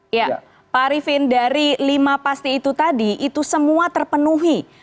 ya pak arifin dari lima pasti itu tadi itu semua terpenuhi